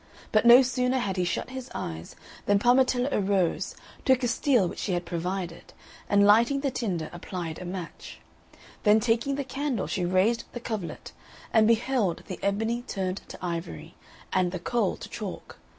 But no sooner had he shut his eyes than Parmetella arose, took a steel which she had provided, and lighting the tinder applied a match; then taking the candle, she raised the coverlet, and beheld the ebony turned to ivory, and the coal to chalk.